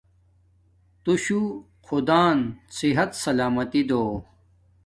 تو شو خدان صحت سلامتی دو